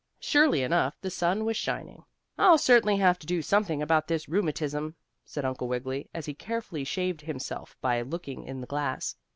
Surely enough, the sun was shining. "I'll certainly have to do something about this rheumatism," said Uncle Wiggily as he carefully shaved himself by looking in the glass.